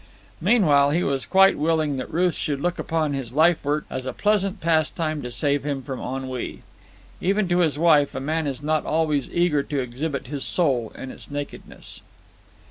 Meanwhile he was quite willing that Ruth should look upon his life work as a pleasant pastime to save him from ennui. Even to his wife a man is not always eager to exhibit his soul in its nakedness.